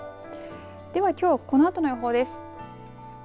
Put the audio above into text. ではきょうこのあとの予報です。